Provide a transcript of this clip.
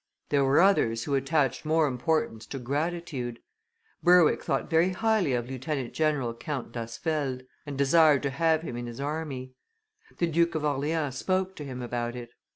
There were others who attached more importance to gratitude. Berwick thought very highly of lieutenant general Count D'Asfeldt, and desired to have him in his army; the Duke of Orleans spoke to him about it.